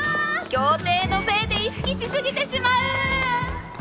協定のせいで意識しすぎてしまう！